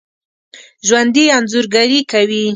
ژوندي انځورګري کوي